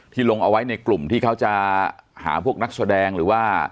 ลงเอาไว้ในกลุ่มที่เขาจะหาพวกนักแสดงหรือว่า